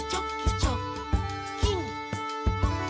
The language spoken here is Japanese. チョッキン！」